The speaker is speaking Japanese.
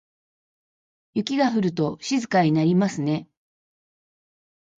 雪が降ると静かになりますね。